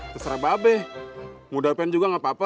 terserah babeh muda pen juga gapapa